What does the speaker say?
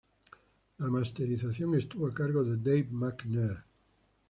La masterización estuvo a cargo de Dave McNair.